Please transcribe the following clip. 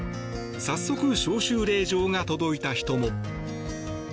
早速、招集令状が届いた人も。